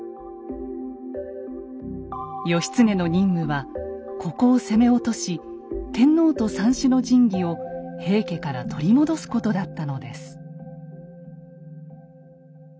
義経の任務はここを攻め落とし天皇と三種の神器を平家から取り戻すことだったのです。